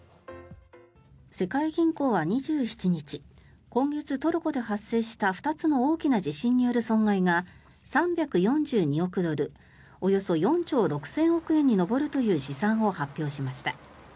世界銀行は２７日今月トルコで発生した２つの大きな地震による損害が３４２億ドルおよそ４兆６０００億円に上るという試算を発表しました。